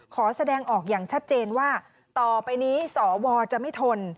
แสดงออกอย่างชัดเจนว่าต่อไปนี้สวจะไม่ทน